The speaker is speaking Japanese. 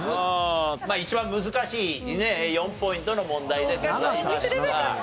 まあ一番難しいねっ４ポイントの問題でございました。